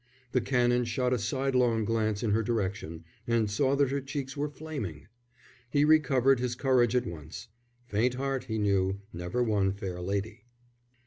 The Canon shot a sidelong glance in her direction and saw that her cheeks were flaming. He recovered his courage at once. Faint heart, he knew, never won fair lady.